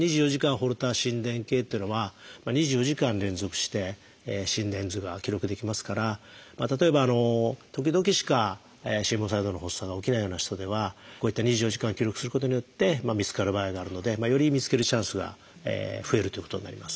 ホルター心電計っていうのは２４時間連続して心電図が記録できますから例えば時々しか心房細動の発作が起きないような人ではこういった２４時間記録することによって見つかる場合があるのでより見つけるチャンスが増えるということになります。